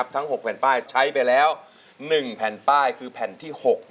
ทั้ง๖แผ่นป้ายใช้ไปแล้ว๑แผ่นป้ายคือแผ่นที่๖